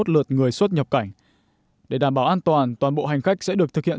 hai mươi hai chín trăm năm mươi một lượt người xuất nhập cảnh để đảm bảo an toàn toàn bộ hành khách sẽ được thực hiện